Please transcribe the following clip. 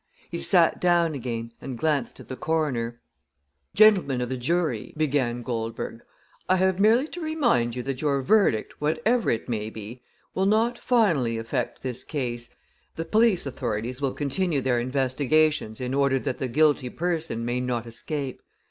He sat down again, and glanced at the coroner. "Gentlemen of the jury," began Goldberg, "I have merely to remind you that your verdict, whatever it may be, will not finally affect this case. The police authorities will continue their investigations in order that the guilty person may not escape.